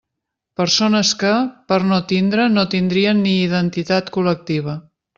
Persones que, per no tindre no tindrien ni identitat col·lectiva.